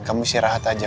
kamu istirahat aja